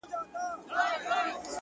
• اوس هغه خلک هم لوڅي پښې روان دي,